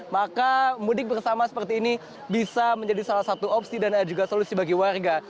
maka mudik bersama seperti ini bisa menjadi salah satu opsi dan juga solusi bagi warga